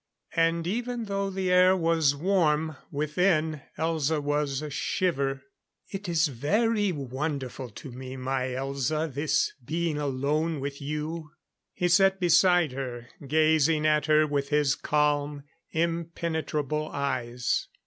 And even though the air was warm, within Elza was ashiver. "It is very wonderful to me, my Elza, this being alone with you." He sat beside her, gazing at her with his calm, impenetrable eyes.